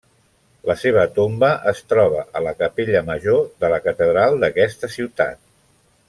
La seva tomba es troba a la Capella Major de la Catedral d'aquesta ciutat.